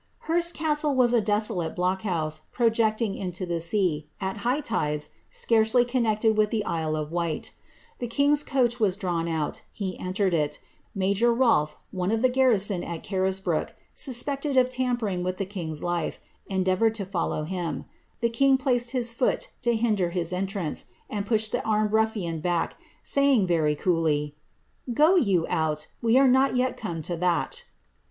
Hurst castle was a desolate block house, projecting into the sea, it high tides scarcely connected with the Isle of Wight The king's coach was drawn out; he entered it Major Rolfe, one of the garrison it Carisbrooke, suspected of tampering with tlie king's life, endeavoured to loUow him ; the king placed his fool to hinder his entrance, and pushed " the armed ruffian back, saying, very coolly, ^^ Go you out, we are not yet come to that."